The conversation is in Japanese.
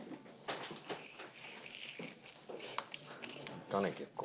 いったね結構。